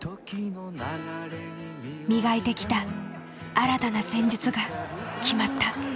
磨いてきた新たな戦術が決まった。